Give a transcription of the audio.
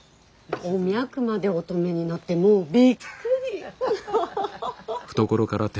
お脈までお止めになってもうびっくり。